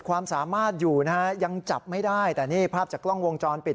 ความสามารถอยู่นะฮะยังจับไม่ได้แต่นี่ภาพจากกล้องวงจรปิด